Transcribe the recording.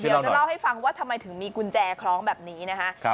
เดี๋ยวจะเล่าให้ฟังว่าทำไมถึงมีกุญแจคล้องแบบนี้นะคะ